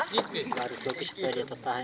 baru jogi supaya dia tertahan